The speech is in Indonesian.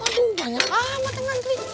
waduh banyak amat yang ngantri